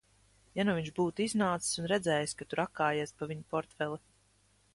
Ja nu viņš būtu iznācis un redzējis, ka tu rakājies pa viņa portfeli?